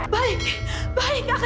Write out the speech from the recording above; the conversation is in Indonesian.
kenapa kamein dimensional ini hilang ya